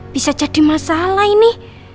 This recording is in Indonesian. bisa jadi masalah ini